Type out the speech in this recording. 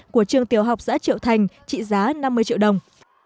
của trường tiểu học xã triệu thành trị giá năm mươi triệu đồng